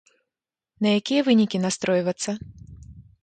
На якія вынікі настройвацца?